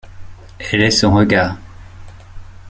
Elle est son regard.